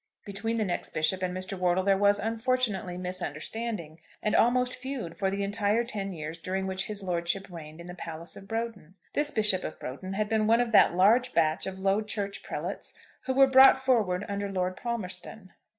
Between the next bishop and Mr. Wortle there was, unfortunately, misunderstanding, and almost feud for the entire ten years during which his lordship reigned in the Palace of Broughton. This Bishop of Broughton had been one of that large batch of Low Church prelates who were brought forward under Lord Palmerston.